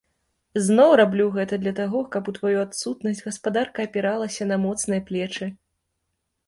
Зноў раблю гэта для таго, каб у тваю адсутнасць гаспадарка апіралася на моцныя плечы.